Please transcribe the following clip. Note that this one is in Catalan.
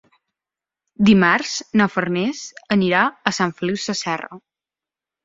Dimarts na Farners anirà a Sant Feliu Sasserra.